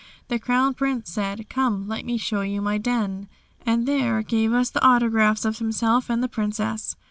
The Crown Prince said, "Come, let me show you my den," and there gave us the autographs of himself and the Princess.